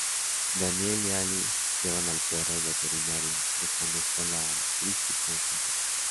Daniel y Ali llevan al perro al veterinario, dejando sola a Kristi con Hunter.